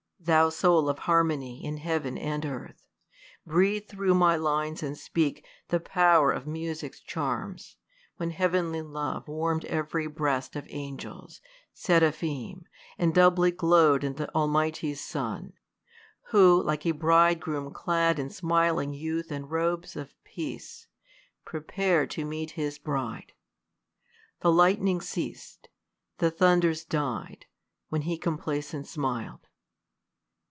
thou soul of harmony In heaven and earth, breathe through my lines and speak The power of music's charms, when heavenly love VVarm'd every breast of angels, seraphim, And doubly glowM in the Almighty's Son ; Who, like a bridegroom clad in smiling youth And robes of peace, prcpar'd to meet his bride. The lightnings ceas'd ; the thunders died, when he Complacent smil'd.